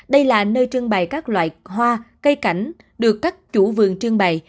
đây là nơi trưng bày các loại hoa cây cảnh được các chủ vườn trưng bày